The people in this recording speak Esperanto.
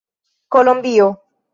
kolombio